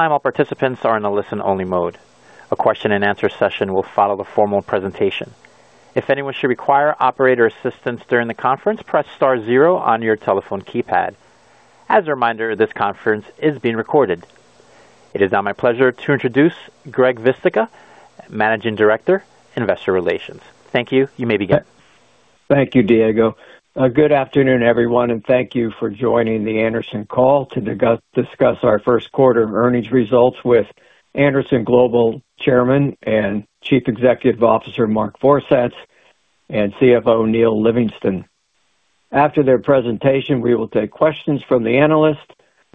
All participants are in a listen-only mode. A question and answer session will follow the formal presentation. If anyone should require operator assistance during the conference, press star zero on your telephone keypad. As a reminder, this conference is being recorded. It is now my pleasure to introduce Gregory Vistica, Managing Director, Investor Relations. Thank you. You may begin. Thank you, Diego. Good afternoon, everyone, and thank you for joining the Andersen call to discuss our first quarter earnings results with Andersen Global Chairman and Chief Executive Officer, Mark Vorsatz, and CFO Neal Livingston. After their presentation, we will take questions from the analyst.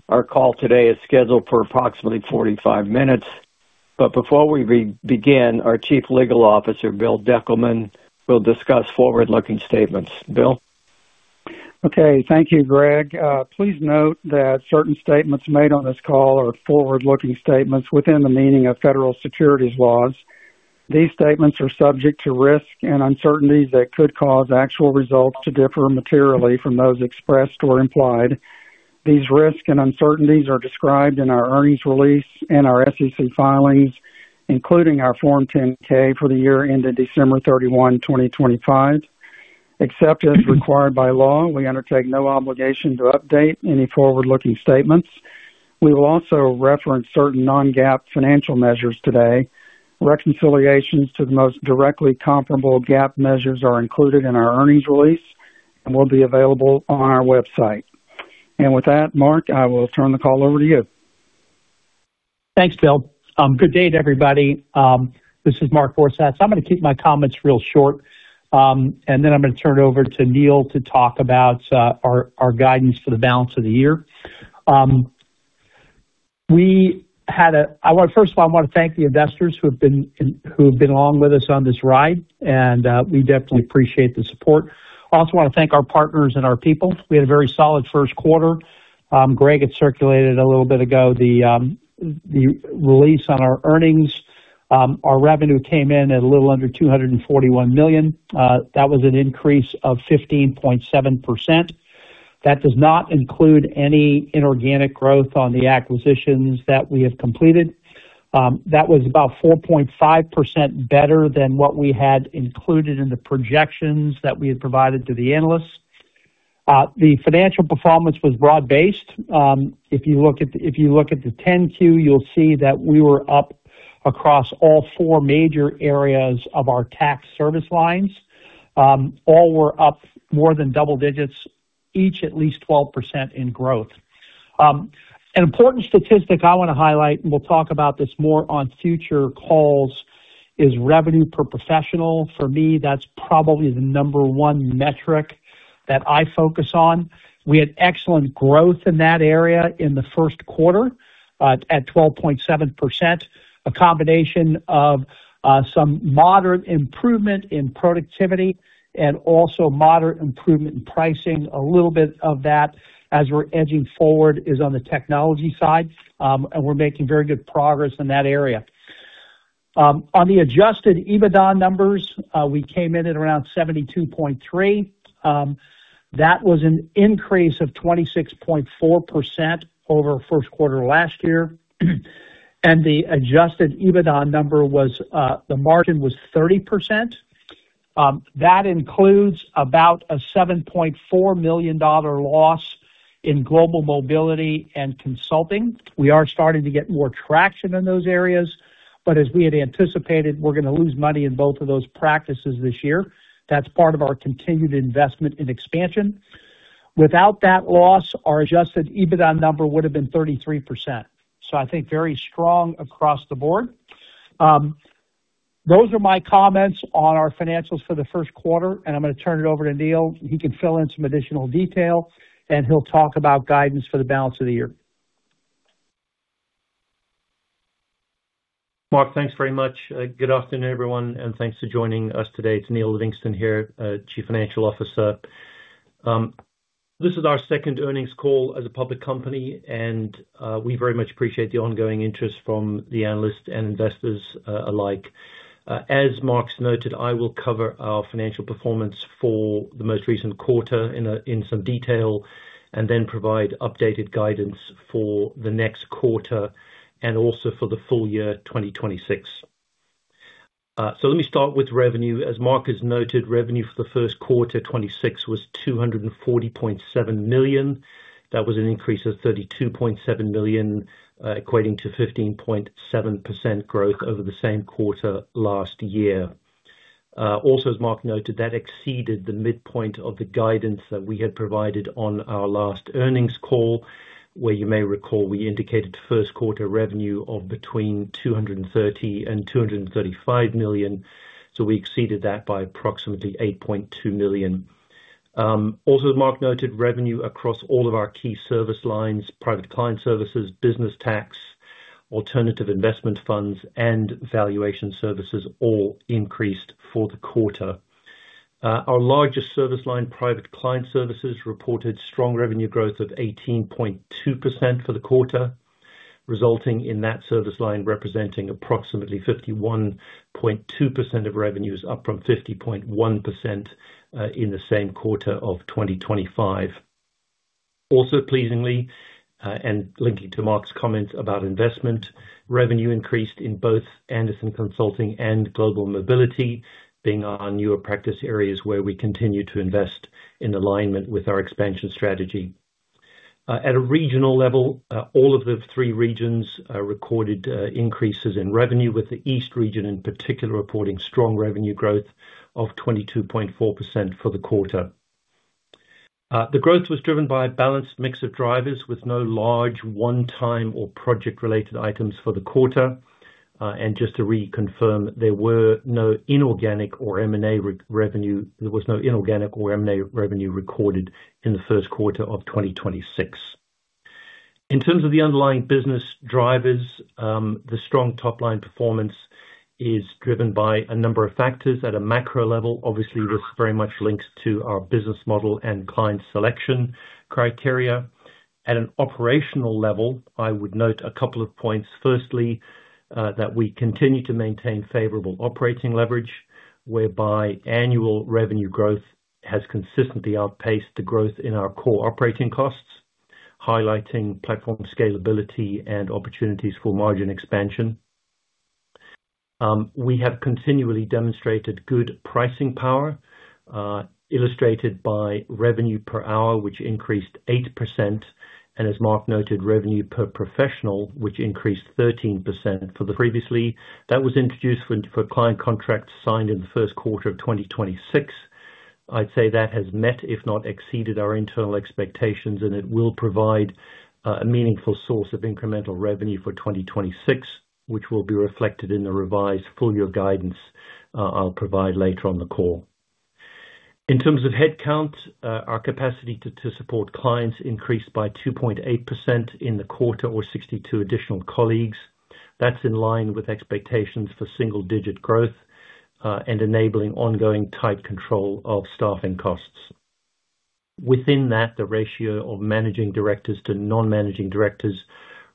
Our call today is scheduled for approximately 45 minutes, but before we begin, our Chief Legal Officer, Bill Deckelman, will discuss forward-looking statements. Bill? Okay. Thank you, Greg. Please note that certain statements made on this call are forward-looking statements within the meaning of federal securities laws. These statements are subject to risks and uncertainties that could cause actual results to differ materially from those expressed or implied. These risks and uncertainties are described in our earnings release and our SEC filings, including our Form 10-K for the year ended December 31, 2025. Except as required by law, we undertake no obligation to update any forward-looking statements. We will also reference certain non-GAAP financial measures today. Reconciliations to the most directly comparable GAAP measures are included in our earnings release and will be available on our website. With that, Mark, I will turn the call over to you. Thanks, Bill. Good day to everybody. This is Mark Vorsatz. I'm gonna keep my comments real short, then I'm gonna turn it over to Neal to talk about our guidance for the balance of the year. We had a First of all, I wanna thank the investors who have been along with us on this ride, we definitely appreciate the support. I also wanna thank our partners and our people. We had a very solid first quarter. Greg had circulated a little bit ago the release on our earnings. Our revenue came in at a little under $241 million. That was an increase of 15.7%. That does not include any inorganic growth on the acquisitions that we have completed. That was about 4.5% better than what we had included in the projections that we had provided to the analysts. The financial performance was broad-based. If you look at the 10-Q, you'll see that we were up across all four major areas of our tax service lines. All were up more than double digits, each at least 12% in growth. An important statistic I wanna highlight, and we'll talk about this more on future calls, is revenue per professional. For me, that's probably the number one metric that I focus on. We had excellent growth in that area in the first quarter, at 12.7%. A combination of some moderate improvement in productivity and also moderate improvement in pricing. A little bit of that as we're edging forward is on the technology side, and we're making very good progress in that area. On the adjusted EBITDA numbers, we came in at around $72.3. That was an increase of 26.4% over first quarter last year. The adjusted EBITDA number was, the margin was 30%. That includes about a $7.4 million loss in global mobility and consulting. We are starting to get more traction in those areas, as we had anticipated, we're gonna lose money in both of those practices this year. That's part of our continued investment and expansion. Without that loss, our adjusted EBITDA number would have been 33%. I think very strong across the board. Those are my comments on our financials for the first quarter, and I'm gonna turn it over to Neal. He can fill in some additional detail, and he'll talk about guidance for the balance of the year. Mark, thanks very much. Good afternoon, everyone, and thanks for joining us today. It's Neal Livingston here, Chief Financial Officer. This is our second earnings call as a public company, and we very much appreciate the ongoing interest from the analysts and investors alike. As Mark's noted, I will cover our financial performance for the most recent quarter in some detail and then provide updated guidance for the next quarter and also for the full year 2026. Let me start with revenue. As Mark has noted, revenue for the first quarter 2026 was $240.7 million. That was an increase of $32.7 million, equating to 15.7% growth over the same quarter last year. As Mark noted, that exceeded the midpoint of the guidance that we had provided on our last earnings call, where you may recall, we indicated first quarter revenue of between $230 million and $235 million. We exceeded that by approximately $8.2 million. As Mark noted, revenue across all of our key service lines, private client services, business tax, alternative investment funds, and valuation services all increased for the quarter. Our largest service line, private client services, reported strong revenue growth of 18.2% for the quarter, resulting in that service line representing approximately 51.2% of revenues, up from 50.1% in the same quarter of 2025. Pleasingly, and linking to Mark's comments about investment, revenue increased in both Andersen Consulting and Global Mobility, being our newer practice areas where we continue to invest in alignment with our expansion strategy. At a regional level, all of the three regions recorded increases in revenue, with the East region in particular, reporting strong revenue growth of 22.4% for the quarter. The growth was driven by a balanced mix of drivers with no large one-time or project-related items for the quarter. Just to reconfirm, there was no inorganic or M&A revenue recorded in the first quarter of 2026. In terms of the underlying business drivers, the strong top-line performance is driven by a number of factors. At a macro level, obviously, this very much links to our business model and client selection criteria. At an operational level, I would note a couple of points. Firstly, that we continue to maintain favorable operating leverage, whereby annual revenue growth has consistently outpaced the growth in our core operating costs, highlighting platform scalability and opportunities for margin expansion. We have continually demonstrated good pricing power, illustrated by revenue per hour, which increased 8%. As Mark noted, revenue per professional, which increased 13% for the previously. That was introduced for client contracts signed in the first quarter of 2026. I'd say that has met, if not exceeded, our internal expectations, and it will provide a meaningful source of incremental revenue for 2026, which will be reflected in the revised full-year guidance I'll provide later on the call. In terms of headcount, our capacity to support clients increased by 2.8% in the quarter or 62 additional colleagues. That's in line with expectations for single-digit growth and enabling ongoing tight control of staffing costs. Within that, the ratio of managing directors to non-managing directors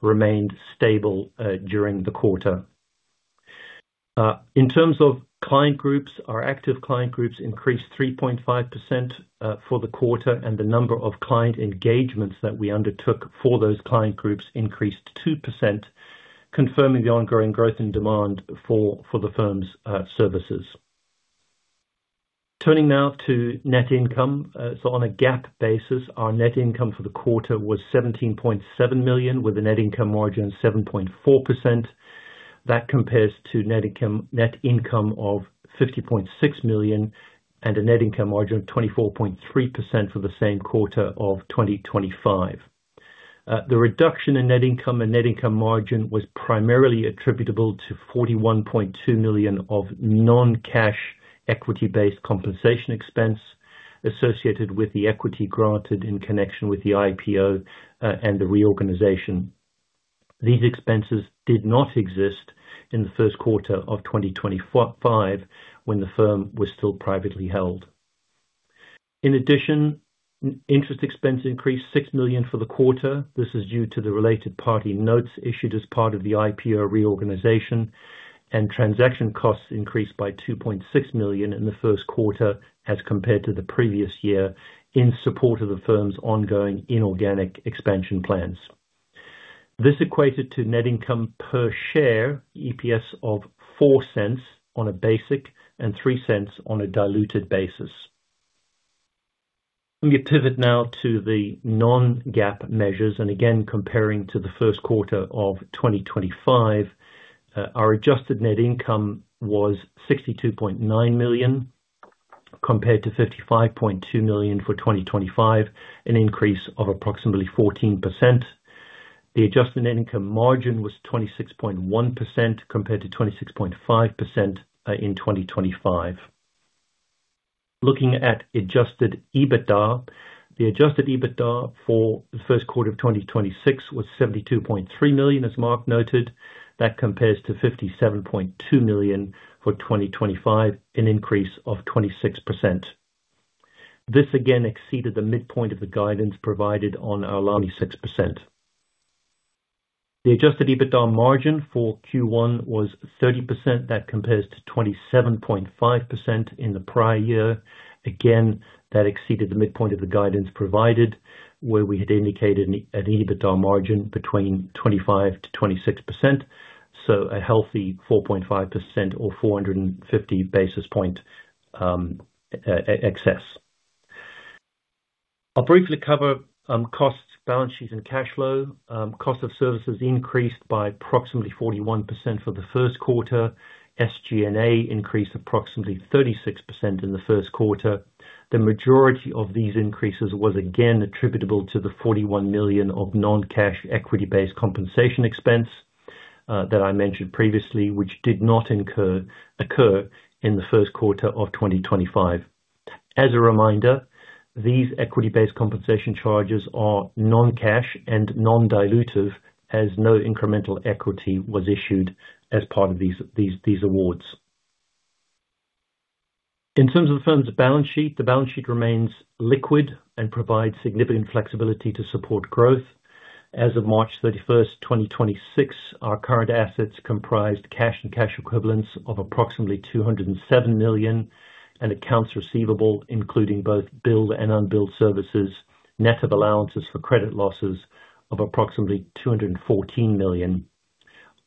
remained stable during the quarter. In terms of client groups, our active client groups increased 3.5% for the quarter, and the number of client engagements that we undertook for those client groups increased 2%, confirming the ongoing growth and demand for the firm's services. Turning now to net income. On a GAAP basis, our net income for the quarter was $17.7 million, with a net income margin of 7.4%. That compares to net income of $50.6 million and a net income margin of 24.3% for the same quarter of 2025. The reduction in net income and net income margin was primarily attributable to $41.2 million of non-cash equity-based compensation expense associated with the equity granted in connection with the IPO and the reorganization. These expenses did not exist in the first quarter of 2025 when the firm was still privately held. In addition, interest expense increased $6 million for the quarter. This is due to the related party notes issued as part of the IPO reorganization, and transaction costs increased by $2.6 million in the first quarter as compared to the previous year in support of the firm's ongoing inorganic expansion plans. This equated to net income per share EPS of $0.04 on a basic and $0.03 on a diluted basis. Let me pivot now to the non-GAAP measures. Again, comparing to the first quarter of 2025, our adjusted net income was $62.9 million, compared to $55.2 million for 2025, an increase of approximately 14%. The adjusted net income margin was 26.1%, compared to 26.5% in 2025. Looking at adjusted EBITDA, the adjusted EBITDA for the first quarter of 2026 was $72.3 million, as Mark noted. That compares to $57.2 million for 2025, an increase of 26%. This again exceeded the midpoint of the guidance provided on our 96%. The adjusted EBITDA margin for Q1 was 30%. That compares to 27.5% in the prior year. Again, that exceeded the midpoint of the guidance provided, where we had indicated an EBITDA margin between 25%-26%. A healthy 4.5% or 450 basis point excess. I'll briefly cover costs, balance sheets and cash flow. Cost of services increased by approximately 41% for the first quarter. SG&A increased approximately 36% in the first quarter. The majority of these increases was again attributable to the $41 million of non-cash equity-based compensation expense that I mentioned previously, which did not occur in the first quarter of 2025. As a reminder, these equity-based compensation charges are non-cash and non-dilutive, as no incremental equity was issued as part of these awards. In terms of the firm's balance sheet, the balance sheet remains liquid and provides significant flexibility to support growth. As of March 31st, 2026, our current assets comprised cash and cash equivalents of approximately $207 million, and accounts receivable, including both billed and unbilled services, net of allowances for credit losses of approximately $214 million.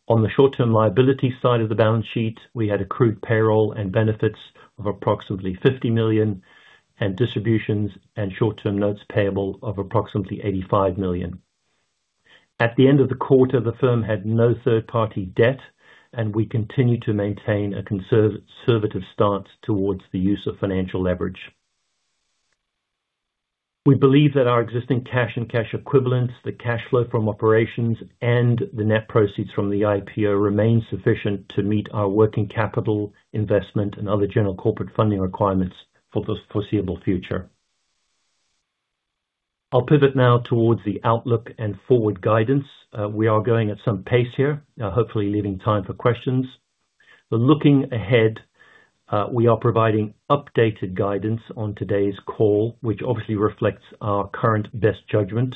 On the short-term liability side of the balance sheet, we had accrued payroll and benefits of approximately $50 million and distributions and short-term notes payable of approximately $85 million. At the end of the quarter, the firm had no third-party debt, and we continue to maintain a conservative stance towards the use of financial leverage. We believe that our existing cash and cash equivalents, the cash flow from operations, and the net proceeds from the IPO remain sufficient to meet our working capital investment and other general corporate funding requirements for the foreseeable future. I'll pivot now towards the outlook and forward guidance. We are going at some pace here, hopefully leaving time for questions. Looking ahead, we are providing updated guidance on today's call, which obviously reflects our current best judgment.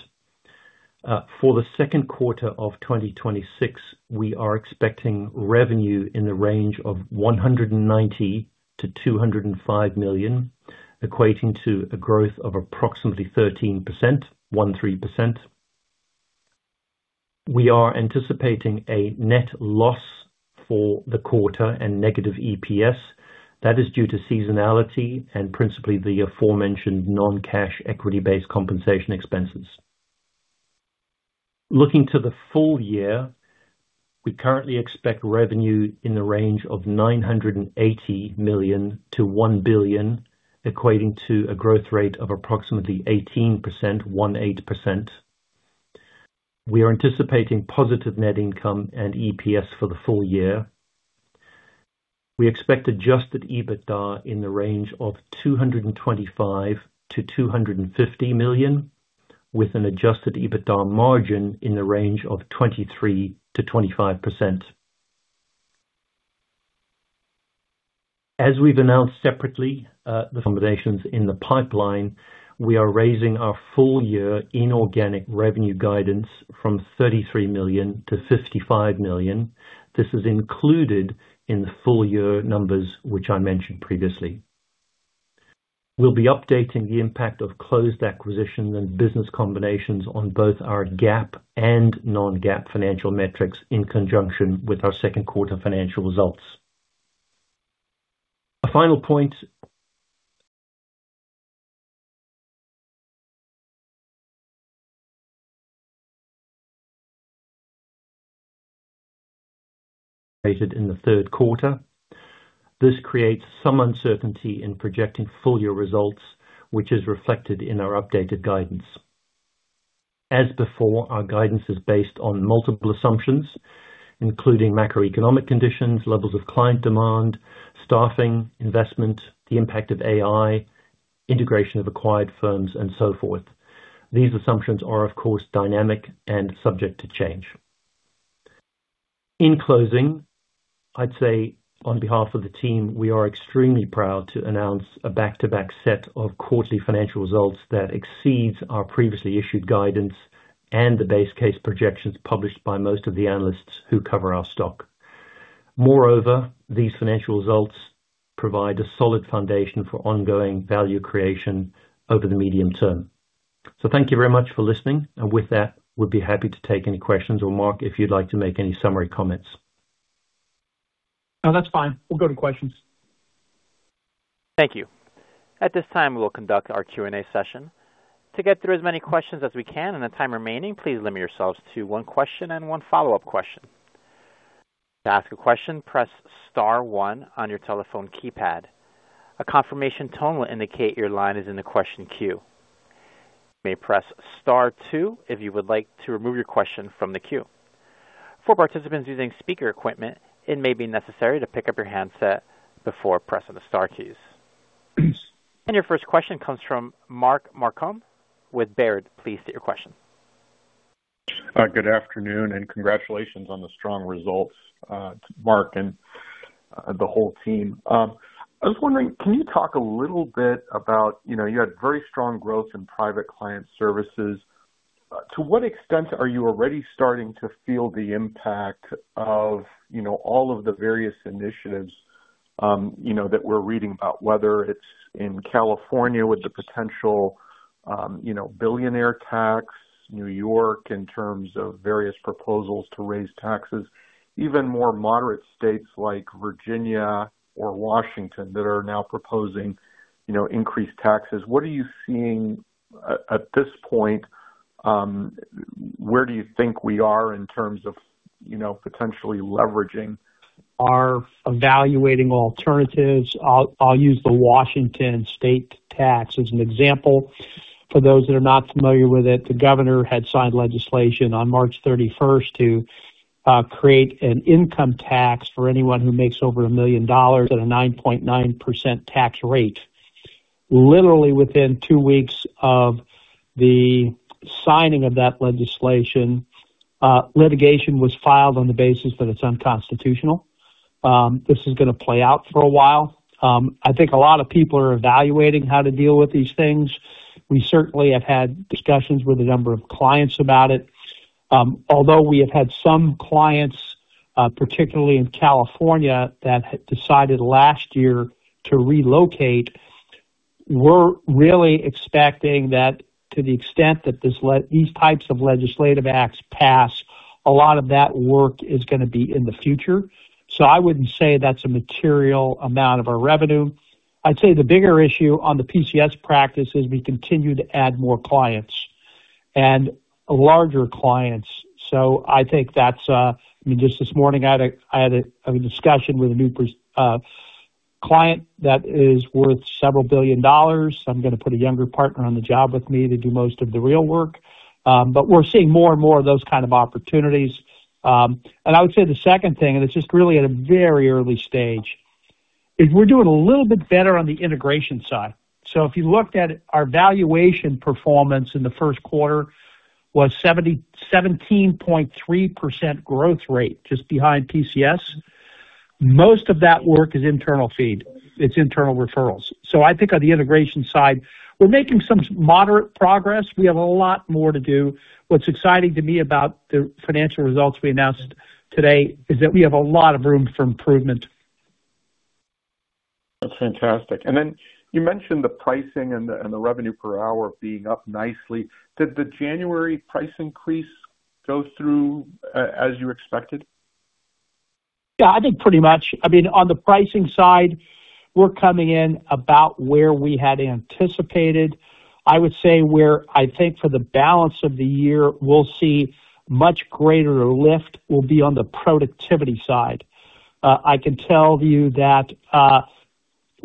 For the second quarter of 2026, we are expecting revenue in the range of $190 million-$205 million, equating to a growth of approximately 13%, 13%. We are anticipating a net loss for the quarter and negative EPS. That is due to seasonality and principally the aforementioned non-cash equity-based compensation expenses. Looking to the full year, we currently expect revenue in the range of $980 million-$1 billion, equating to a growth rate of approximately 18%, 18%. We are anticipating positive net income and EPS for the full year. We expect adjusted EBITDA in the range of $225 million-$250 million, with an adjusted EBITDA margin in the range of 23%-25%. As we've announced separately, the combinations in the pipeline, we are raising our full-year inorganic revenue guidance from $33 million to $55 million. This is included in the full-year numbers, which I mentioned previously. We'll be updating the impact of closed acquisitions and business combinations on both our GAAP and non-GAAP financial metrics in conjunction with our 2nd quarter financial results. A final point. stated in the 3rd quarter. This creates some uncertainty in projecting full-year results, which is reflected in our updated guidance. As before, our guidance is based on multiple assumptions, including macroeconomic conditions, levels of client demand, staffing, investment, the impact of AI, integration of acquired firms, and so forth. These assumptions are, of course, dynamic and subject to change. In closing, I'd say on behalf of the team, we are extremely proud to announce a back-to-back set of quarterly financial results that exceeds our previously issued guidance and the base case projections published by most of the analysts who cover our stock. Moreover, these financial results provide a solid foundation for ongoing value creation over the medium term. Thank you very much for listening. With that, we'd be happy to take any questions, or Mark, if you'd like to make any summary comments. No, that's fine. We'll go to questions. Thank you. At this time, we'll conduct our Q&A session. To get through as many questions as we can in the time remaining, please limit yourselves to one question and one follow-up question. To ask a question, press star one on your telephone keypad. A confirmation tone will indicate your line is in the question queue. You may press star two if you would like to remove your question from the queue. For participants using speaker equipment, it may be necessary to pick up your handset before pressing the star keys. And your first question comes from Mark Marcon with Baird. Please state your question. Good afternoon, and congratulations on the strong results, to Mark and the whole team. I was wondering, can you talk a little bit about, you know, you had very strong growth in private client services. To what extent are you already starting to feel the impact of, you know, all of the various initiatives, you know, that we're reading about, whether it's in California with the potential, you know, billionaire tax, New York in terms of various proposals to raise taxes, even more moderate states like Virginia or Washington that are now proposing, you know, increased taxes. What are you seeing at this point? Where do you think we are in terms of, you know, potentially leveraging? Are evaluating alternatives. I'll use the Washington State tax as an example. For those that are not familiar with it, the governor had signed legislation on March 31st to create an income tax for anyone who makes over $1 million at a 9.9% tax rate. Literally within two weeks of the signing of that legislation, litigation was filed on the basis that it's unconstitutional. This is going to play out for a while. I think a lot of people are evaluating how to deal with these things. We certainly have had discussions with a number of clients about it. Although we have had some clients, particularly in California, that had decided last year to relocate, we're really expecting that to the extent that these types of legislative acts pass, a lot of that work is gonna be in the future. I wouldn't say that's a material amount of our revenue. I'd say the bigger issue on the PCS practice is we continue to add more clients and larger clients. I think that's, I mean, just this morning I had a discussion with a new client that is worth several billion dollars. I'm gonna put a younger partner on the job with me to do most of the real work. We're seeing more and more of those kind of opportunities. I would say the second thing, and it's just really at a very early stage, is we're doing a little bit better on the integration side. If you looked at our valuation performance in the first quarter was 17.3% growth rate just behind PCS. Most of that work is internal feed. It's internal referrals. I think on the integration side, we're making some moderate progress. We have a lot more to do. What's exciting to me about the financial results we announced today is that we have a lot of room for improvement. That's fantastic. You mentioned the pricing and the revenue per hour being up nicely. Did the January price increase go through as you expected? Yeah, I think pretty much. I mean, on the pricing side, we're coming in about where we had anticipated. I would say where I think for the balance of the year, we'll see much greater lift will be on the productivity side. I can tell you that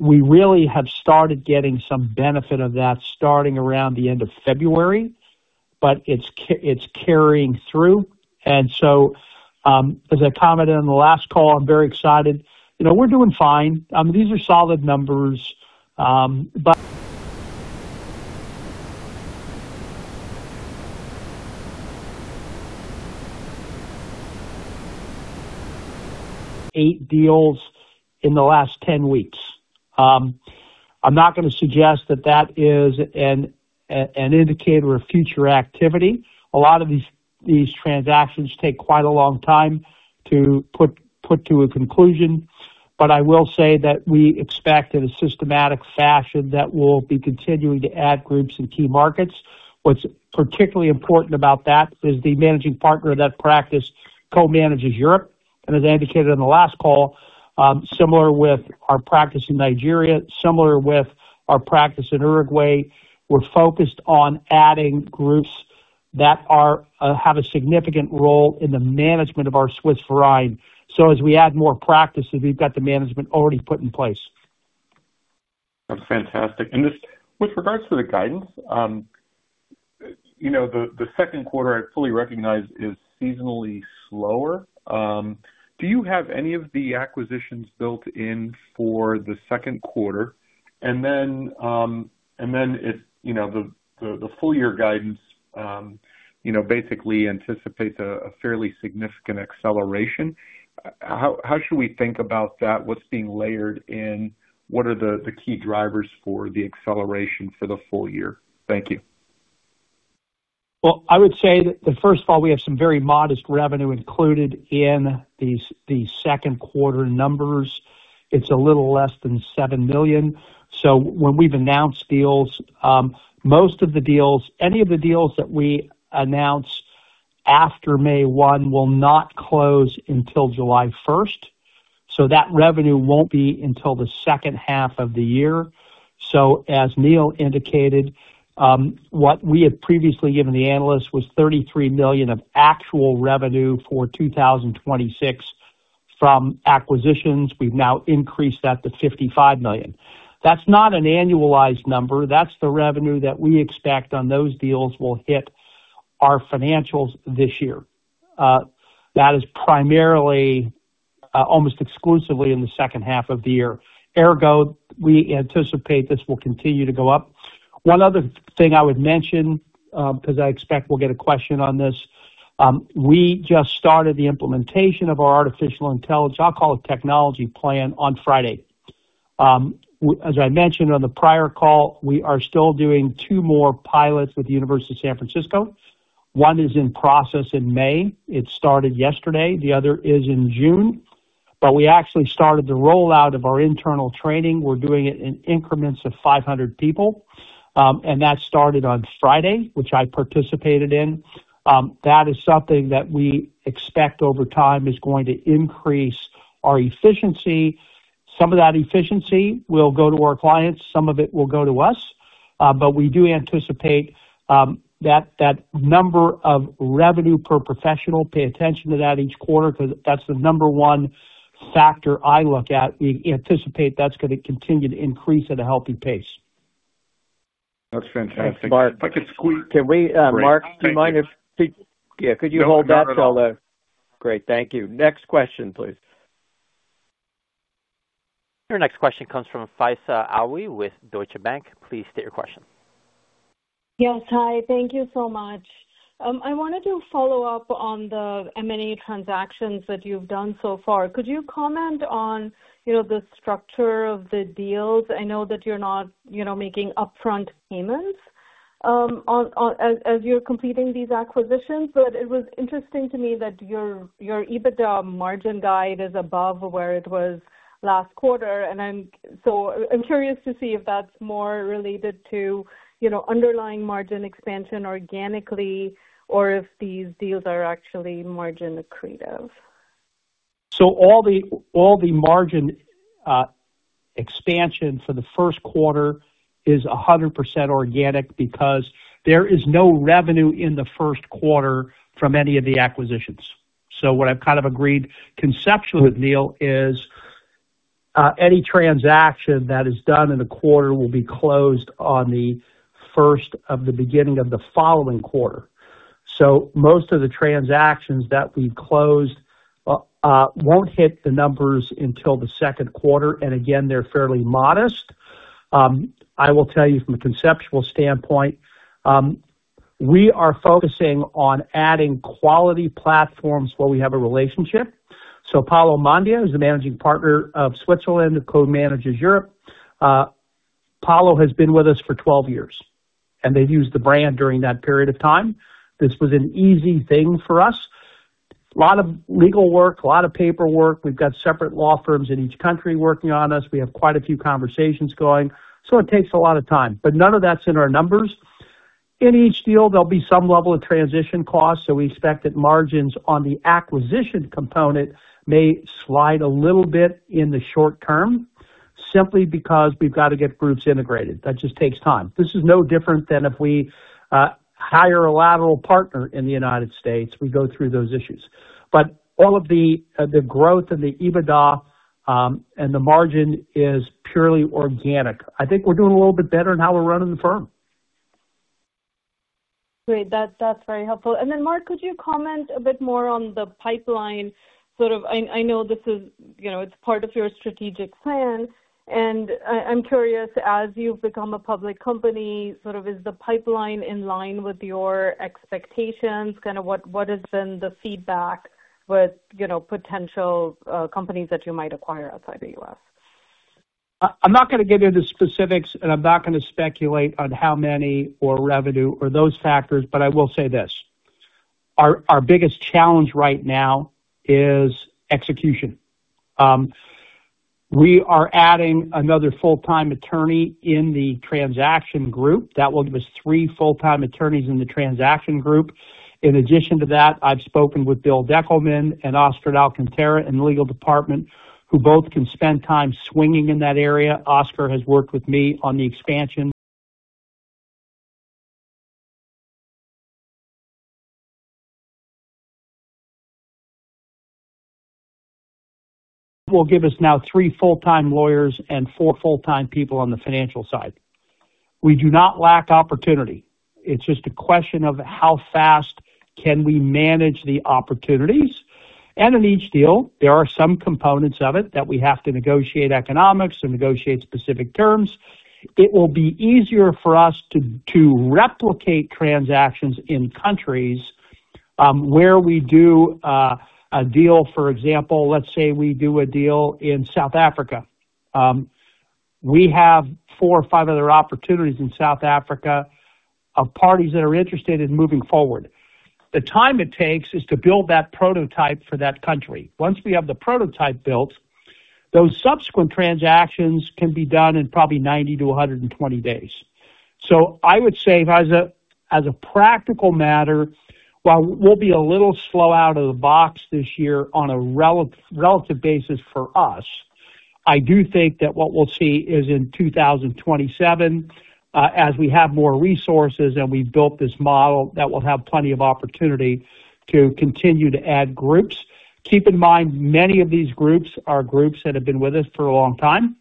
we really have started getting some benefit of that starting around the end of February, but it's carrying through. As I commented on the last call, I'm very excited. You know, we're doing fine. These are solid numbers. Eight deals in the last 10 weeks. I'm not gonna suggest that that is an indicator of future activity. A lot of these transactions take quite a long time to put to a conclusion. I will say that we expect in a systematic fashion that we'll be continuing to add groups in key markets. What's particularly important about that is the managing partner of that practice co-manages Europe. As I indicated on the last call, similar with our practice in Nigeria, similar with our practice in Uruguay, we're focused on adding groups that are have a significant role in the management of our Swiss Verein. As we add more practices, we've got the management already put in place. That's fantastic. Just with regards to the guidance, you know, the second quarter I fully recognize is seasonally slower. Do you have any of the acquisitions built in for the second quarter? If, you know, the full year guidance, you know, basically anticipates a fairly significant acceleration. How should we think about that? What's being layered in? What are the key drivers for the acceleration for the full year? Thank you. I would say that we have some very modest revenue included in these second quarter numbers. It's a little less than $7 million. When we've announced deals, most of the deals, any of the deals that we announce after May 1 will not close until July 1st. That revenue won't be until the second half of the year. As Neal indicated, what we had previously given the analyst was $33 million of actual revenue for 2026 from acquisitions. We've now increased that to $55 million. That's not an annualized number. That's the revenue that we expect on those deals will hit our financials this year. That is primarily, almost exclusively in the second half of the year. Ergo, we anticipate this will continue to go up. One other thing I would mention, 'cause I expect we'll get a question on this. We just started the implementation of our artificial intelligence, I'll call it technology plan, on Friday. As I mentioned on the prior call, we are still doing two more pilots with the University of San Francisco. One is in process in May. It started yesterday. The other is in June. We actually started the rollout of our internal training. We're doing it in increments of 500 people. And that started on Friday, which I participated in. That is something that we expect over time is going to increase our efficiency. Some of that efficiency will go to our clients, some of it will go to us. We do anticipate that that number of revenue per professional, pay attention to that each quarter 'cause that's the number one factor I look at. We anticipate that's gonna continue to increase at a healthy pace. That's fantastic. Thanks, Mark. If I could squeeze- Can we, Mark, do you mind if. Great. Thank you. Yeah, could you hold that while. No, I'm good on that. Great. Thank you. Next question, please. Your next question comes from Faiza Alwy with Deutsche Bank. Please state your question. Yes. Hi, thank you so much. I wanted to follow up on the M&A transactions that you've done so far. Could you comment on, you know, the structure of the deals? I know that you're not, you know, making upfront payments as you're completing these acquisitions, but it was interesting to me that your EBITDA margin guide is above where it was last quarter. So I'm curious to see if that's more related to, you know, underlying margin expansion organically or if these deals are actually margin accretive. All the margin expansion for the first quarter is 100% organic because there is no revenue in the first quarter from any of the acquisitions. What I've kind of agreed conceptually with Neal is any transaction that is done in a quarter will be closed on the first of the beginning of the following quarter. Most of the transactions that we've closed won't hit the numbers until the second quarter. Again, they're fairly modest. I will tell you from a conceptual standpoint, we are focusing on adding quality platforms where we have a relationship. Paolo Mondia is the Managing Partner of Switzerland, who co-manages Europe. Paolo has been with us for 12 years, and they've used the brand during that period of time. This was an easy thing for us. A lot of legal work, a lot of paperwork. We've got separate law firms in each country working on us. We have quite a few conversations going, so it takes a lot of time. None of that's in our numbers. In each deal, there'll be some level of transition costs, so we expect that margins on the acquisition component may slide a little bit in the short term simply because we've got to get groups integrated. That just takes time. This is no different than if we hire a lateral partner in the U.S.. We go through those issues. All of the growth and the EBITDA and the margin is purely organic. I think we're doing a little bit better in how we're running the firm. Great. That's very helpful. Mark, could you comment a bit more on the pipeline? I know this is, you know, it's part of your strategic plan, and I'm curious, as you've become a public company, sort of is the pipeline in line with your expectations? What has been the feedback with, you know, potential companies that you might acquire outside the U.S.? I'm not gonna give you the specifics, and I'm not gonna speculate on how many or revenue or those factors, I will say this: our biggest challenge right now is execution. We are adding another full-time attorney in the transaction group. That will give us three full-time attorneys in the transaction group. In addition to that, I've spoken with Bill Deckelman and Oscar Alcantara in the legal department, who both can spend time swinging in that area. Oscar has worked with me on the expansion. That will give us now three full-time lawyers and four full-time people on the financial side. We do not lack opportunity. It's just a question of how fast can we manage the opportunities. In each deal, there are some components of it that we have to negotiate economics and negotiate specific terms. It will be easier for us to replicate transactions in countries, where we do a deal, for example, let's say we do a deal in South Africa. We have four or five other opportunities in South Africa of parties that are interested in moving forward. The time it takes is to build that prototype for that country. Once we have the prototype built, those subsequent transactions can be done in probably 90-120 days. I would say as a practical matter, while we'll be a little slow out of the box this year on a relative basis for us, I do think that what we'll see is in 2027, as we have more resources and we've built this model, that we'll have plenty of opportunity to continue to add groups. Keep in mind, many of these groups are groups that have been with us for a long time.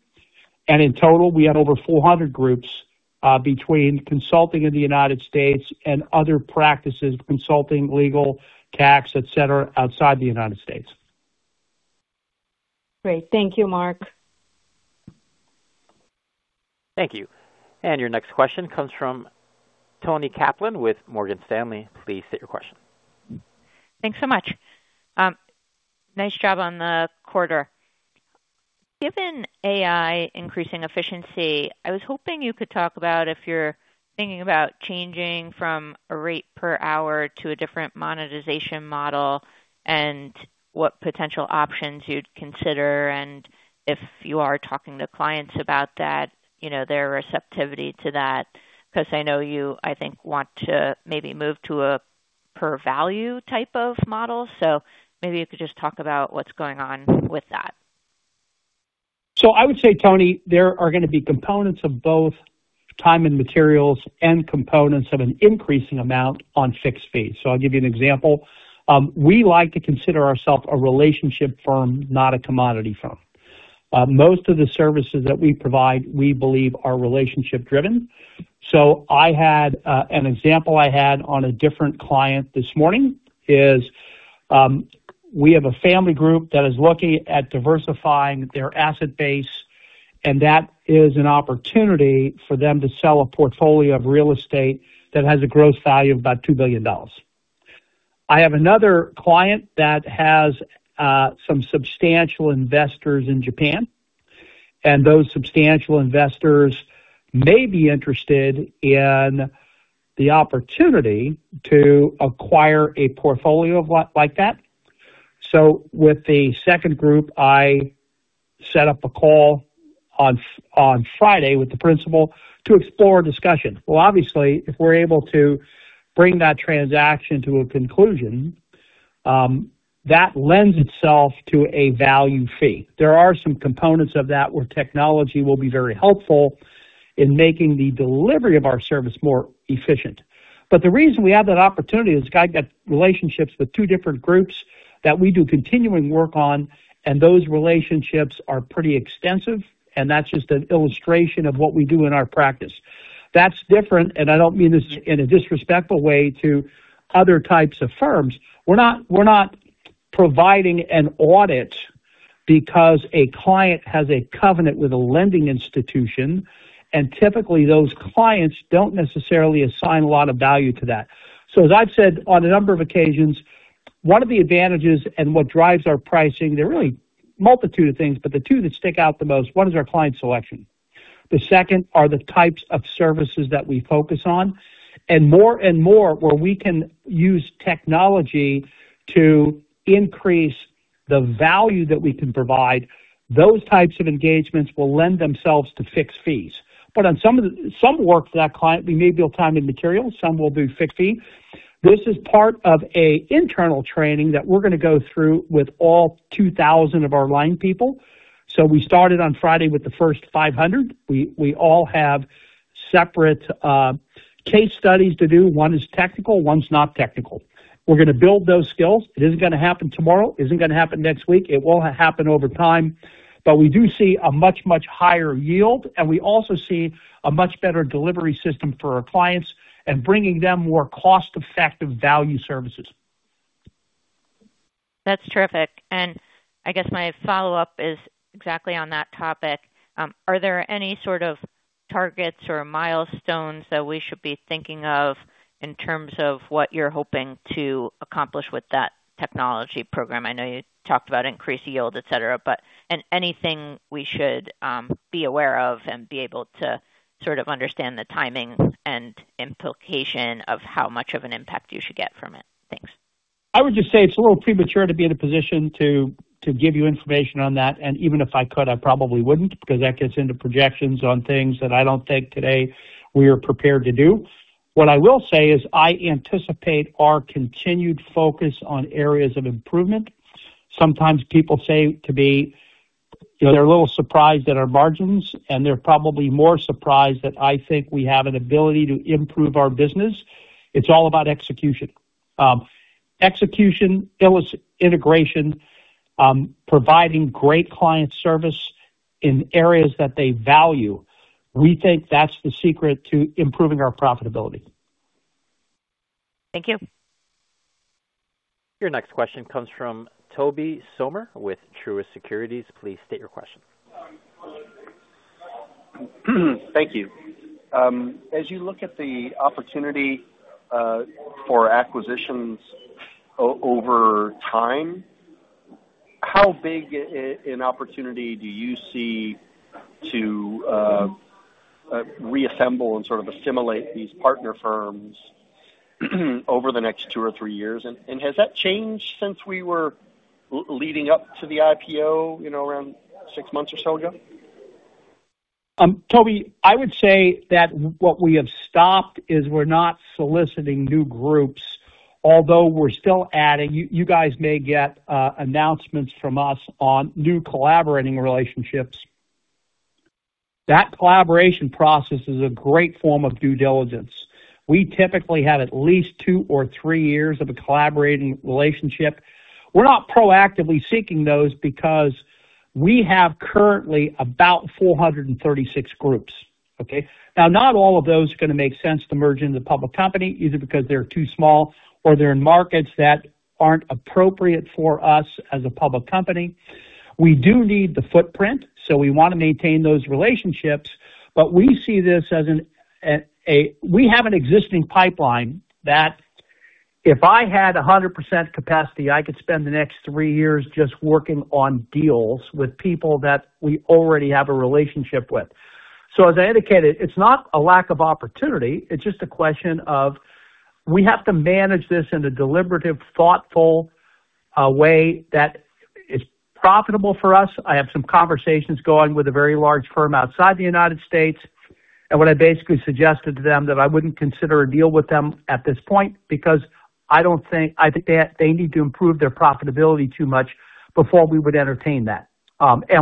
In total, we have over 400 groups between consulting in the U.S. and other practices, consulting, legal, tax, et cetera, outside the U.S.. Great. Thank you, Mark. Thank you. Your next question comes from Toni Kaplan with Morgan Stanley. Please state your question. Thanks so much. Nice job on the quarter. Given AI increasing efficiency, I was hoping you could talk about if you're thinking about changing from a rate per hour to a different monetization model and what potential options you'd consider, and if you are talking to clients about that, you know, their receptivity to that. 'Cause I know you, I think, want to maybe move to a per value type of model. Maybe you could just talk about what's going on with that. I would say, Toni, there are gonna be components of both time and materials and components of an increasing amount on fixed fees. I'll give you an example. We like to consider ourself a relationship firm, not a commodity firm. Most of the services that we provide, we believe are relationship-driven. I had an example I had on a different client this morning. We have a family group that is looking at diversifying their asset base, and that is an opportunity for them to sell a portfolio of real estate that has a gross value of about $2 billion. I have another client that has some substantial investors in Japan, and those substantial investors may be interested in the opportunity to acquire a portfolio of like that. With the second group, I set up a call on Friday with the principal to explore a discussion. Obviously, if we're able to bring that transaction to a conclusion, that lends itself to a value fee. There are some components of that where technology will be very helpful in making the delivery of our service more efficient. The reason we have that opportunity is because I got relationships with two different groups that we do continuing work on, and those relationships are pretty extensive, and that's just an illustration of what we do in our practice. That's different, and I don't mean this in a disrespectful way to other types of firms. We're not providing an audit because a client has a covenant with a lending institution, and typically those clients don't necessarily assign a lot of value to that. As I've said on a number of occasions, one of the advantages and what drives our pricing, there are really a multitude of things, but the two that stick out the most, one is our client selection. The second are the types of services that we focus on. More and more, where we can use technology to increase the value that we can provide, those types of engagements will lend themselves to fixed fees. On some work for that client, we may bill time and material, some will do fixed fee. This is part of a internal training that we're going to go through with all 2,000 of our line people. We started on Friday with the first 500. We all have separate case studies to do. One is technical, one's not technical. We're going to build those skills. It isn't gonna happen tomorrow, isn't gonna happen next week. It will happen over time. We do see a much higher yield, and we also see a much better delivery system for our clients and bringing them more cost-effective value services. That's terrific. I guess my follow-up is exactly on that topic. Are there any sort of targets or milestones that we should be thinking of in terms of what you're hoping to accomplish with that technology program? I know you talked about increased yield, et cetera, but anything we should be aware of and be able to sort of understand the timing and implication of how much of an impact you should get from it. Thanks. I would just say it's a little premature to be in a position to give you information on that. Even if I could, I probably wouldn't, because that gets into projections on things that I don't think today we are prepared to do. What I will say is I anticipate our continued focus on areas of improvement. Sometimes people say to me they're a little surprised at our margins. They're probably more surprised that I think we have an ability to improve our business. It's all about execution. Execution, integration, providing great client service in areas that they value. We think that's the secret to improving our profitability. Thank you. Your next question comes from Tobey Sommer with Truist Securities. Please state your question. Thank you. As you look at the opportunity for acquisitions over time, how big an opportunity do you see to reassemble and sort of assimilate these partner firms over the next two or three years? Has that changed since we were leading up to the IPO, you know, around six months or so ago? Tobey, I would say that what we have stopped is we're not soliciting new groups, although we're still adding. You guys may get announcements from us on new collaborating relationships. That collaboration process is a great form of due diligence. We typically have at least two or three years of a collaborating relationship. We're not proactively seeking those because we have currently about 436 groups. Okay? Not all of those are gonna make sense to merge into the public company, either because they're too small or they're in markets that aren't appropriate for us as a public company. We do need the footprint, we wanna maintain those relationships. We see this as We have an existing pipeline that if I had 100% capacity, I could spend the next three years just working on deals with people that we already have a relationship with. As I indicated, it is not a lack of opportunity, it is just a question of we have to manage this in a deliberative, thoughtful way that is profitable for us. I have some conversations going with a very large firm outside the United States. What I basically suggested to them that I would not consider a deal with them at this point because I do not think they need to improve their profitability too much before we would entertain that.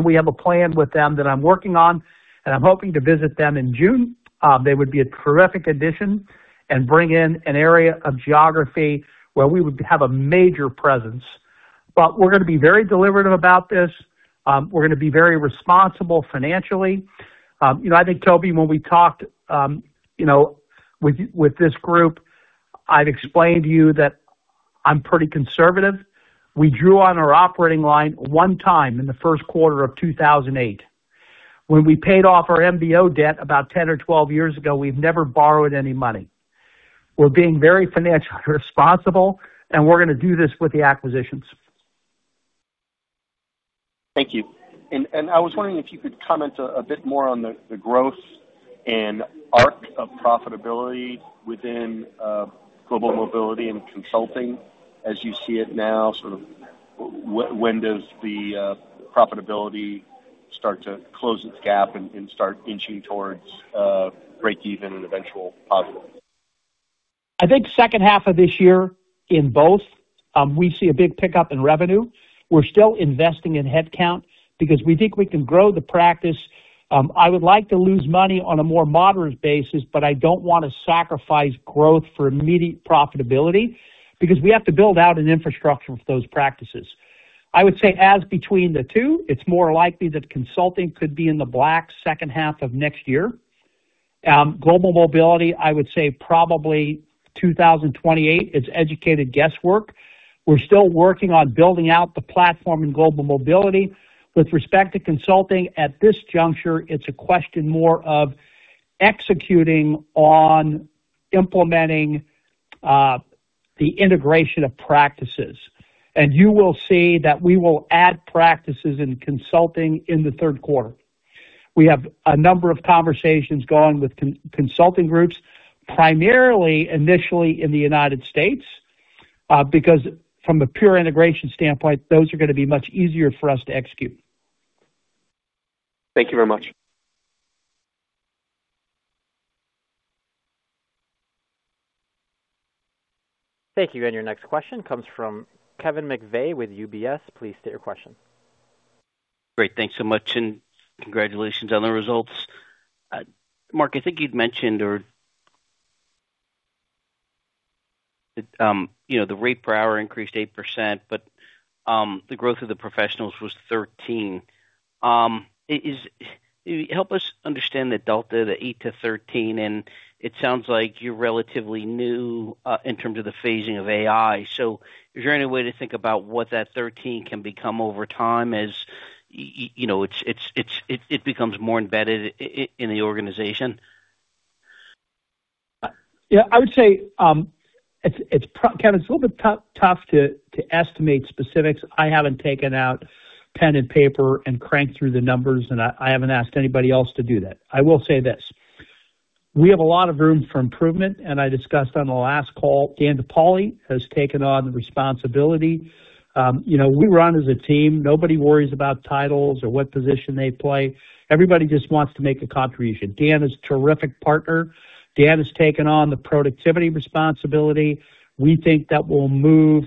We have a plan with them that I am working on, and I am hoping to visit them in June. They would be a terrific addition and bring in an area of geography where we would have a major presence. We're gonna be very deliberative about this. We're gonna be very responsible financially. You know, I think, Tobey, when we talked, you know, with this group, I've explained to you that I'm pretty conservative. We drew on our operating line one time in the first quarter of 2008. When we paid off our MBO debt about 10 or 12 years ago, we've never borrowed any money. We're being very financially responsible, and we're gonna do this with the acquisitions. Thank you. I was wondering if you could comment a bit more on the growth and arc of profitability within global mobility and consulting as you see it now, sort of when does the profitability start to close its gap and start inching towards breakeven and eventual positive? I think second half of this year in both, we see a big pickup in revenue. We're still investing in headcount because we think we can grow the practice. I would like to lose money on a more moderate basis, I don't wanna sacrifice growth for immediate profitability because we have to build out an infrastructure for those practices. I would say as between the two, it's more likely that consulting could be in the black second half of next year. Global mobility, I would say probably 2028. It's educated guesswork. We're still working on building out the platform in global mobility. With respect to consulting, at this juncture, it's a question more of executing on implementing the integration of practices. You will see that we will add practices in consulting in the third quarter. We have a number of conversations going with consulting groups, primarily initially in the U.S., because from a pure integration standpoint, those are gonna be much easier for us to execute. Thank you very much. Thank you. Your next question comes from Kevin McVeigh with UBS. Please state your question. Great. Thanks so much, and congratulations on the results. Mark, I think you'd mentioned or you know, the rate per hour increased 8%, but, the growth of the professionals was 13%. Help us understand the delta, the 8% to 13% and it sounds like you're relatively new, in terms of the phasing of AI. Is there any way to think about what that 13% can become over time as, you know, it's, it becomes more embedded in the organization? Kevin, it's a little bit tough to estimate specifics. I haven't taken out pen and paper and cranked through the numbers, and I haven't asked anybody else to do that. I will say this: We have a lot of room for improvement, and I discussed on the last call, Dan DePaoli has taken on responsibility. You know, we run as a team. Nobody worries about titles or what position they play. Everybody just wants to make a contribution. Dan is a terrific partner. Dan has taken on the productivity responsibility. We think that we'll move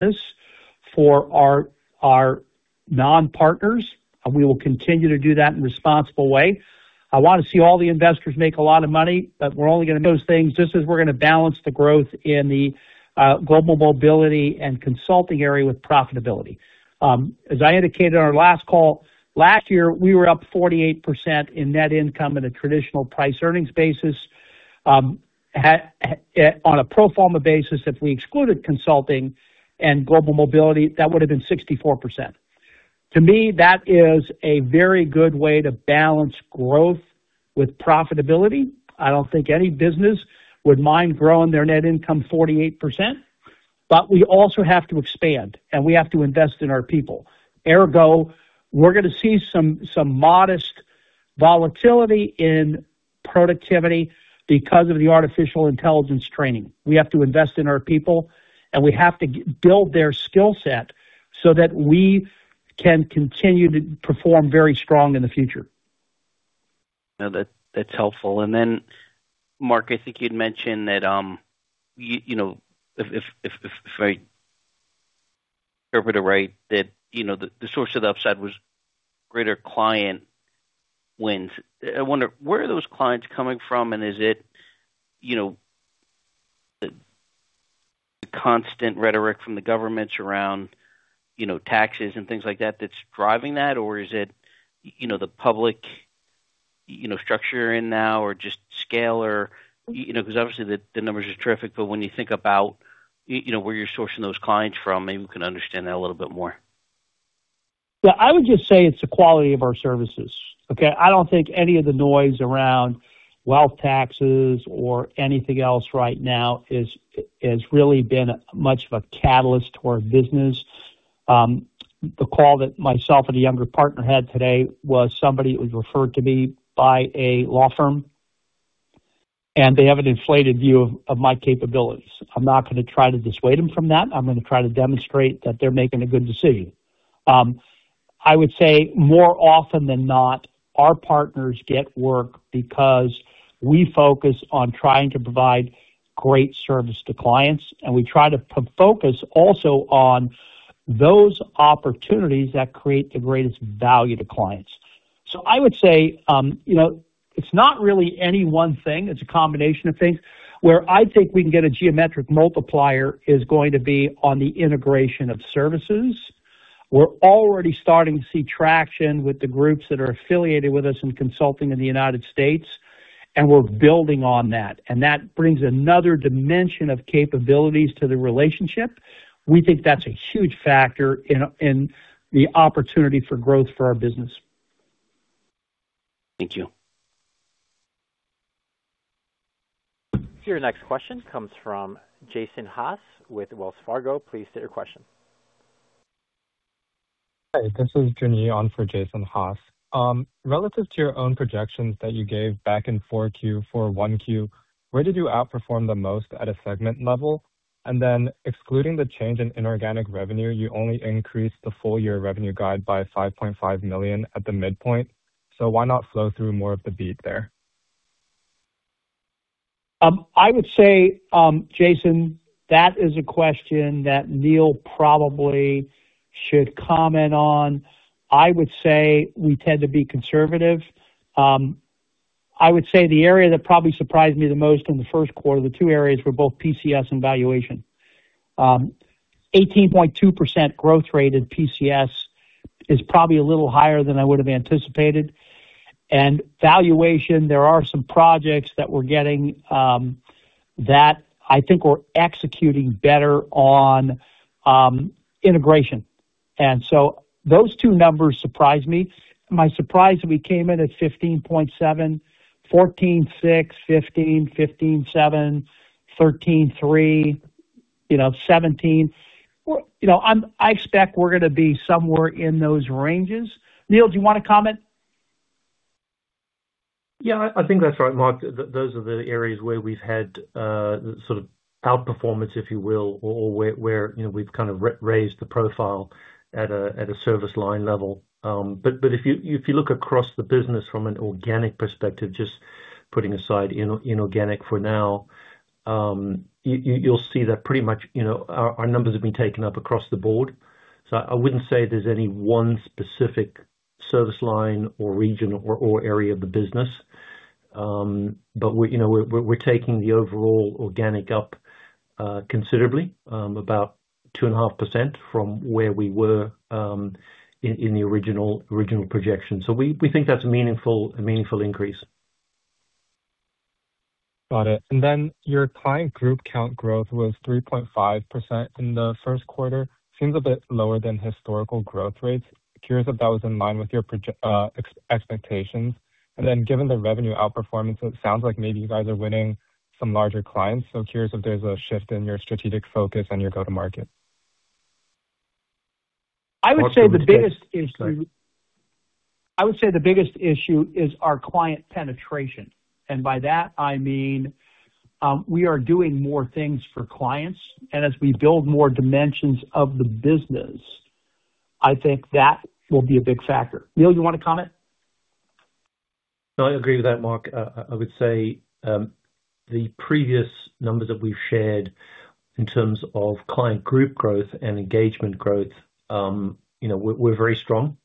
this for our non-partners. We will continue to do that in a responsible way. I wanna see all the investors make a lot of money, we're only gonna balance the growth in the global mobility and consulting area with profitability. As I indicated on our last call, last year, we were up 48% in net income at a traditional price-earnings basis. On a pro forma basis, if we excluded consulting and global mobility, that would have been 64%. To me, that is a very good way to balance growth with profitability. I don't think any business would mind growing their net income 48%, but we also have to expand, and we have to invest in our people. Ergo, we're gonna see some modest volatility in productivity because of the artificial intelligence training. We have to invest in our people, and we have to build their skill set so that we can continue to perform very strong in the future. No, that's helpful. Then, Mark, I think you'd mentioned that, you know, if I interpret it right, that, you know, the source of the upside was greater client wins. I wonder, where are those clients coming from, and is it, you know, the constant rhetoric from the governments around, you know, taxes and things like that that's driving that? Is it, you know, the public, you know, structure you're in now or just scale or, you know, 'cause obviously the numbers are terrific, but when you think about, you know, where you're sourcing those clients from, maybe we can understand that a little bit more? I would just say it's the quality of our services, okay. I don't think any of the noise around wealth taxes or anything else right now is really been much of a catalyst to our business. The call that myself and a younger partner had today was somebody who was referred to me by a law firm, and they have an inflated view of my capabilities. I'm not gonna try to dissuade them from that. I'mo gonna try to demonstrate that they're making a good decision. I would say more often than not, our partners get work because we focus on trying to provide great service to clients, and we try to focus also on those opportunities that create the greatest value to clients. I would say, you know, it's not really anyone thing, it's a combination of things. Where I think we can get a geometric multiplier is going to be on the integration of services. We're already starting to see traction with the groups that are affiliated with us in consulting in the United States, and we're building on that. That brings another dimension of capabilities to the relationship. We think that's a huge factor in the opportunity for growth for our business. Thank you. Your next question comes from Jason Haas with Wells Fargo. Please state your question. Hi, this is Junyi on for Jason Haas. Relative to your own projections that you gave back in 4Q for 1Q, where did you outperform the most at a segment level? Excluding the change in inorganic revenue, you only increased the full year revenue guide by $5.5 million at the midpoint. Why not flow through more of the beat there? I would say, Jason, that is a question that Neal probably should comment on. I would say we tend to be conservative. I would say the area that probably surprised me the most in the first quarter, the two areas were both PCS and valuation. 18.2% growth rate in PCS is probably a little higher than I would have anticipated. Valuation, there are some projects that we're getting, that I think we're executing better on, integration. So those two numbers surprised me. Am I surprised that we came in at 15.7%, 14.6%, 15%, 15.7%, 13.3%, you know, 17%? Well, you know, I expect we're gonna be somewhere in those ranges. Neal, do you wanna comment? I think that's right, Mark. Those are the areas where we've had sort of outperformance, if you will, or where, you know, we've kind of raised the profile at a service line level. If you look across the business from an organic perspective, just putting aside inorganic for now, you'll see that pretty much, you know, our numbers have been taken up across the board. I wouldn't say there's any one specific service line or region or area of the business. We, you know, we're taking the overall organic up considerably, about 2.5% from where we were in the original projection. We think that's a meaningful increase. Got it. Your client group count growth was 3.5% in the first quarter. Seems a bit lower than historical growth rates. Curious if that was in line with your expectations. Given the revenue outperformance, it sounds like maybe you guys are winning some larger clients. Curious if there's a shift in your strategic focus and your go-to-market. I would say the biggest issue. Sorry. I would say the biggest issue is our client penetration. By that I mean, we are doing more things for clients. As we build more dimensions of the business, I think that will be a big factor. Neal, you wanna comment? No, I agree with that, Mark. I would say, the previous numbers that we've shared in terms of client group growth and engagement growth, you know, we're very strong.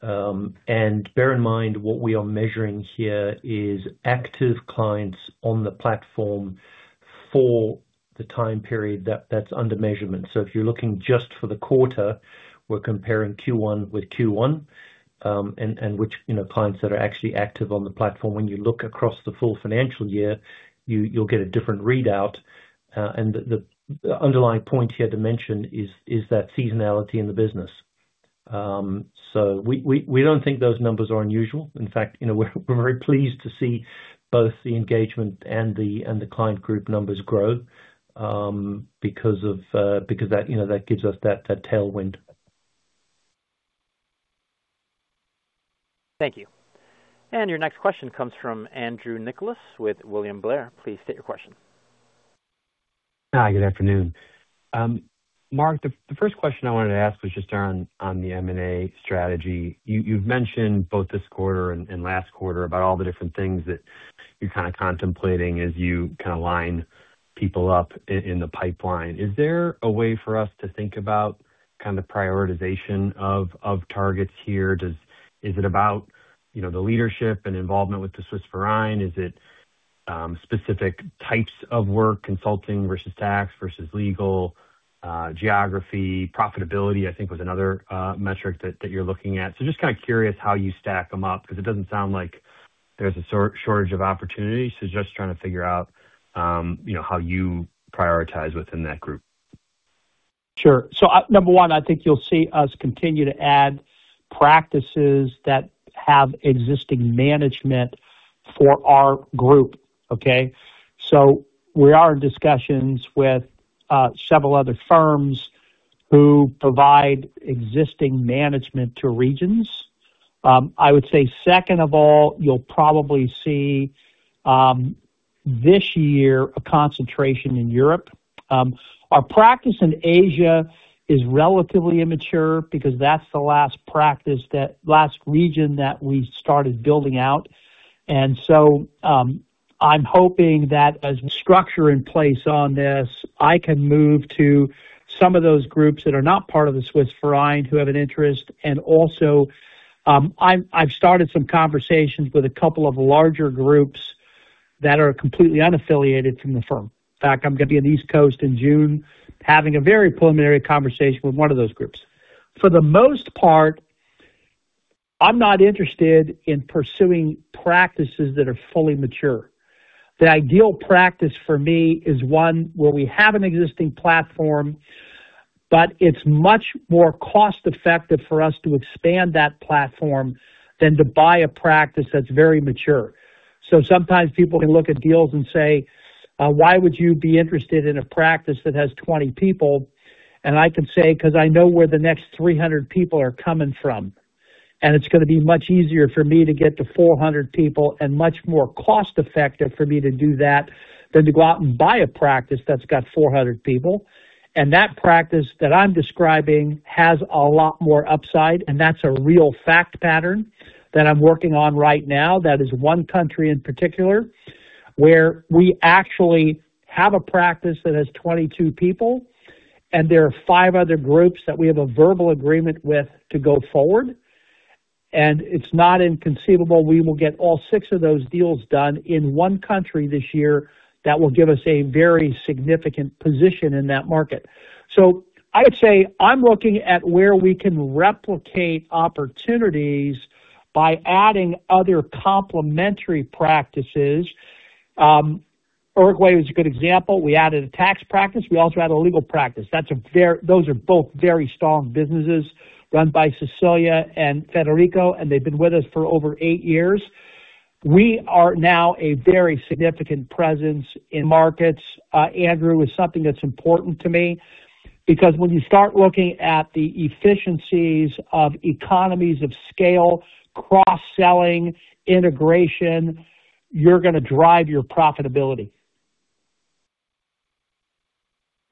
Bear in mind, what we are measuring here is active clients on the platform for the time period that's under measurement. If you're looking just for the quarter, we're comparing Q1 with Q1, and which, you know, clients that are actually active on the platform. When you look across the full financial year, you'll get a different readout. The underlying point here to mention is that seasonality in the business. We don't think those numbers are unusual. In fact, you know, we're very pleased to see both the engagement and the client group numbers grow, because that, you know, that gives us that tailwind. Thank you. Your next question comes from Andrew Nicholas with William Blair. Please state your question. Hi, good afternoon. Mark, the first question I wanted to ask was just on the M&A strategy. You've mentioned both this quarter and last quarter about all the different things that you're kind of contemplating as you kind of line people up in the pipeline. Is there a way for us to think about kind of prioritization of targets here? Is it about, you know, the leadership and involvement with the Swiss Verein? Is it specific types of work, consulting versus tax versus legal, geography? Profitability, I think was another metric that you're looking at. Just kinda curious how you stack them up, 'cause it doesn't sound like there's a shortage of opportunities. Just trying to figure out, you know, how you prioritize within that group. Sure. Number one, I think you'll see us continue to add practices that have existing management for our group. Okay? We are in discussions with several other firms who provide existing management to regions. I would say second of all, you'll probably see this year a concentration in Europe. Our practice in Asia is relatively immature because that's the last region that we started building out. I'm hoping that as the structure in place on this, I can move to some of those groups that are not part of the Swiss Verein who have an interest. Also, I've started some conversations with a couple of larger groups that are completely unaffiliated from the firm. In fact, I'm gonna be in the East Coast in June, having a very preliminary conversation with one of those groups. For the most part, I'm not interested in pursuing practices that are fully mature. The ideal practice for me is one where we have an existing platform, but it's much more cost-effective for us to expand that platform than to buy a practice that's very mature. Sometimes people can look at deals and say, "Why would you be interested in a practice that has 20 people?" I can say, "'Cause I know where the next 300 people are coming from, and it's gonna be much easier for me to get to 400 people and much more cost-effective for me to do that than to go out and buy a practice that's got 400 people." That practice that I'm describing has a lot more upside, and that's a real fact pattern that I'm working on right now. That is one country in particular where we actually have a practice that has 22 people, and there are five other groups that we have a verbal agreement with to go forward. It's not inconceivable we will get all six of those deals done in one country this year. That will give us a very significant position in that market. I'd say I'm looking at where we can replicate opportunities by adding other complementary practices. Uruguay was a good example. We added a tax practice. We also added a legal practice. Those are both very strong businesses run by Cecilia and Federico, and they've been with us for over eight years. We are now a very significant presence in markets, Andrew. It's something that's important to me because when you start looking at the efficiencies of economies of scale, cross-selling, integration, you're gonna drive your profitability.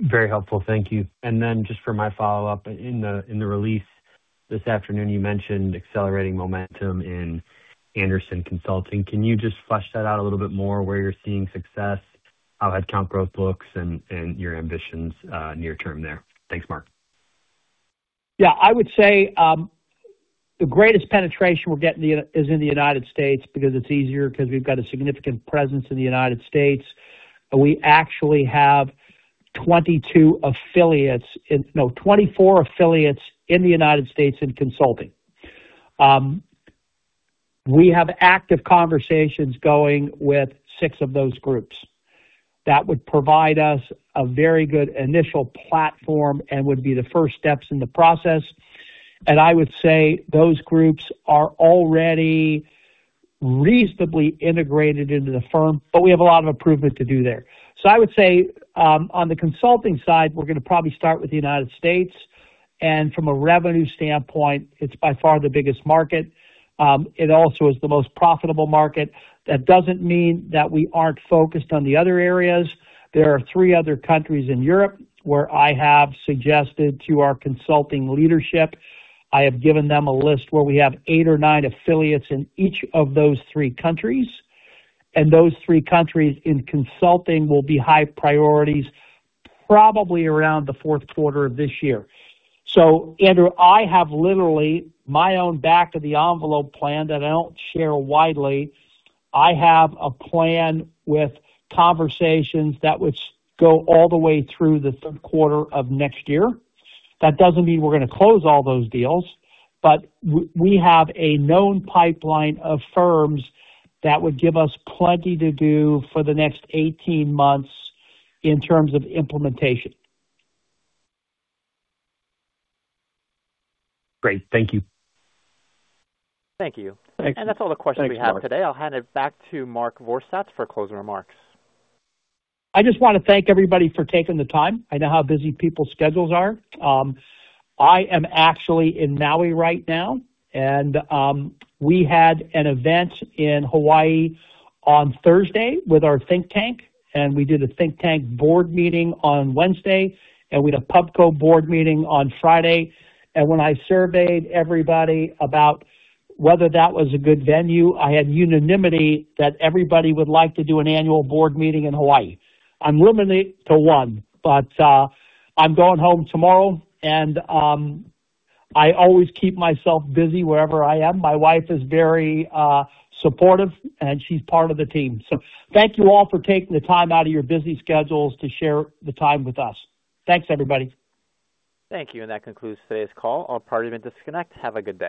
Very helpful. Thank you. Just for my follow-up. In the release this afternoon, you mentioned accelerating momentum in Andersen Consulting. Can you just flesh that out a little bit more, where you're seeing success, how headcount growth looks and your ambitions near term there? Thanks, Mark. I would say the greatest penetration we're getting is in the United States because it's easier because we've got a significant presence in the United States. We actually have 22 affiliates, 24 affiliates in the United States. in consulting. We have active conversations going with six of those groups. That would provide us a very good initial platform and would be the first steps in the process. I would say those groups are already reasonably integrated into the firm, but we have a lot of improvement to do there. I would say on the consulting side, we're gonna probably start with the United States., and from a revenue standpoint, it's by far the biggest market. It also is the most profitable market. That doesn't mean that we aren't focused on the other areas. There are three other countries in Europe where I have suggested to our consulting leadership. I have given them a list where we have eight or nine affiliates in each of those three countries, and those three countries in consulting will be high priorities probably around the fourth quarter of this year. Andrew, I have literally my own back-of-the-envelope plan that I don't share widely. I have a plan with conversations that would go all the way through the third quarter of next year. That doesn't mean we're gonna close all those deals, but we have a known pipeline of firms that would give us plenty to do for the next 18 months in terms of implementation. Great. Thank you. Thank you. Thanks. That's all the questions we have today. I'll hand it back to Mark Vorsatz for closing remarks. I just wanna thank everybody for taking the time. I know how busy people's schedules are. I am actually in Maui right now, and we had an event in Hawaii on Thursday with our think tank, and we did a think tank board meeting on Wednesday, and we had a PubCo board meeting on Friday. When I surveyed everybody about whether that was a good venue, I had unanimity that everybody would like to do an annual board meeting in Hawaii. I'm limiting it to one, but I'm going home tomorrow and I always keep myself busy wherever I am. My wife is very supportive, and she's part of the team. Thank you all for taking the time out of your busy schedules to share the time with us. Thanks, everybody. Thank you. That concludes today's call. All parties may disconnect. Have a good day.